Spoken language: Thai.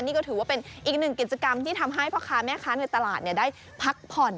นี่ก็ถือว่าเป็นอีกหนึ่งกิจกรรมที่ทำให้พ่อค้าแม่ค้าในตลาดได้พักผ่อน